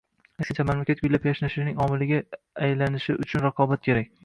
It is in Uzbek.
Aksincha, mamlakat gullab-yashnashining omiliga aylanishi uchun raqobat kerak.